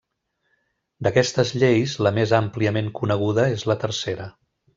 D'aquestes lleis, la més àmpliament coneguda és la tercera.